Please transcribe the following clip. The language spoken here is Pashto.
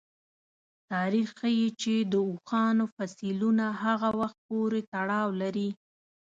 تاریخ ښيي چې د اوښانو فسیلونه هغه وخت پورې تړاو لري.